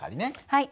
はい。